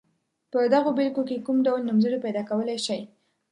په دغو بېلګو کې کوم ډول نومځري پیداکولای شئ.